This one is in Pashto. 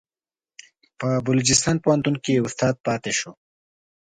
په بلوچستان پوهنتون کې استاد پاتې شو.